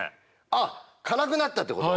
あっ辛くなったってこと？